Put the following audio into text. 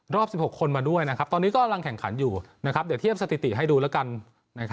๑๖คนมาด้วยนะครับตอนนี้กำลังแข่งขันอยู่เดี๋ยวเทียบสถิติให้ดูแล้วกัน